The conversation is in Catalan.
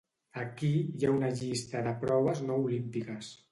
Aquí hi ha una llista de proves no olímpiques.